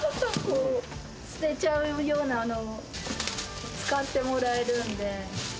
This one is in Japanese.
捨てちゃうようなものも使ってもらえるんで。